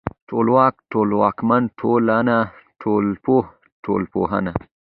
ټولواک ، ټولواکمن، ټولنه، ټولنپوه، ټولنپوهنه